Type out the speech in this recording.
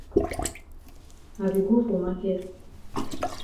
I be go for maket.